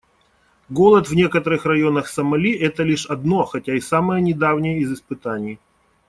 Голод в некоторых районах Сомали — это лишь одно, хотя и самое недавнее из испытаний.